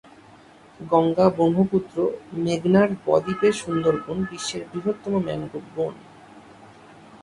গঙ্গা-ব্রহ্মপুত্র-মেঘনার বদ্বীপের সুন্দরবন বিশ্বের বৃহত্তম ম্যানগ্রোভ বন।